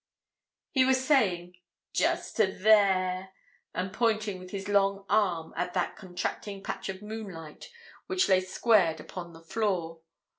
He was saying 'just to there,' and pointing with his long arm at that contracting patch of moonlight which lay squared upon the floor.